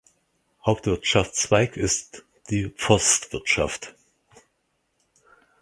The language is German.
Hauptwirtschaftszweig ist die Forstwirtschaft.